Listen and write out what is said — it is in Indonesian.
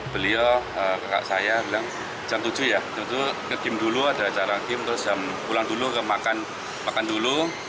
beliau kakak saya bilang jam tujuh ya ke game dulu ada acara game terus jam pulang dulu ke makan dulu